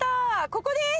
ここです。